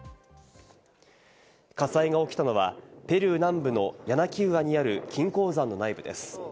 火災が起きたのは、ペルー南部のヤナキウアにある金鉱山の内部です。